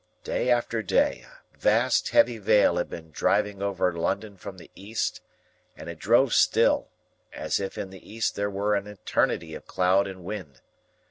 Day after day, a vast heavy veil had been driving over London from the East, and it drove still, as if in the East there were an eternity of cloud and wind.